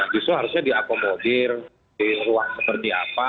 justru harusnya diakomodir di ruang seperti apa